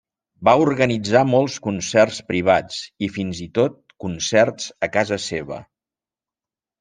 Va organitzar molts concerts privats, i fins i tot concerts a casa seva.